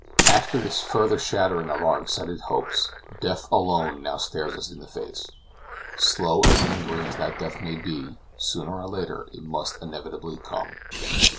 After this further shattering of our excited hopes, death alone now stares us in the face; slow and lingering as that death may be, sooner or later it must inevitably come.